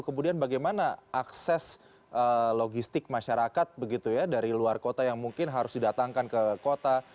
kemudian bagaimana akses logistik masyarakat begitu ya dari luar kota yang mungkin harus didatangkan ke kota